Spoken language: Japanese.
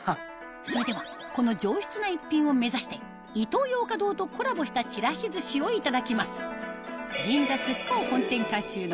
それではこの上質な逸品を目指してイトーヨーカドーとコラボしたちらし寿司をいただきます